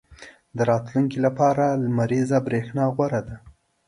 • د راتلونکي لپاره لمریزه برېښنا غوره ده.